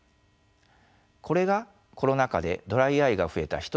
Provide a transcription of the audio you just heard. これがコロナ禍でドライアイが増えた